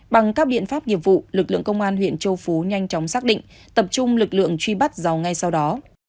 bằng các biện pháp nghiệp vụ lực lượng công an huyện châu phú nhanh chóng xác định tập trung lực lượng truy bắt giàu ngay sau đó